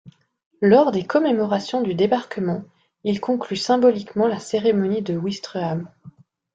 Lors des commémorations du du débarquement, ils concluent symboliquement la cérémonie de Ouistreham.